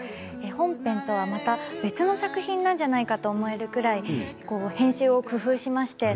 本編とはまた別の作品なんじゃないかと思えるくらい編集を工夫しまして。